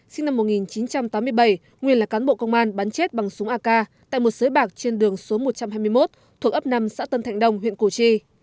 sinh năm một nghìn chín trăm tám mươi bảy nguyên là cán bộ công an bắn chết bằng súng ak tại một sới bạc trên đường số một trăm hai mươi một thuộc ấp năm xã tân thạnh đông huyện củ chi